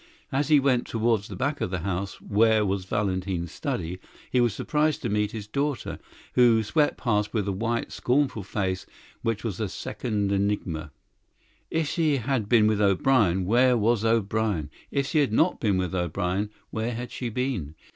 As he went towards the back of the house, where was Valentin's study, he was surprised to meet his daughter, who swept past with a white, scornful face, which was a second enigma. If she had been with O'Brien, where was O'Brien! If she had not been with O'Brien, where had she been?